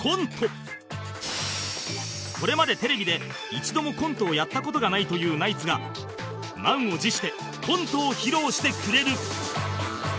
これまでテレビで一度もコントをやった事がないというナイツが満を持してコントを披露してくれる